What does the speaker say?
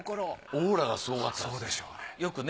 オーラがすごかったですね。